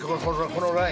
このライン。